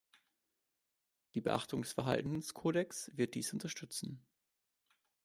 Die Beachtung des Verhaltenskodex wird dies unterstützen.